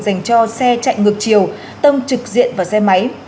dành cho xe chạy ngược chiều tông trực diện vào xe máy